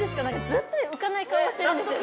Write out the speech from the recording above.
ずっと浮かない顔してるんですよね